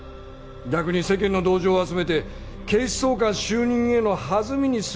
逆に世間の同情を集めて警視総監就任への弾みにする事だってできる。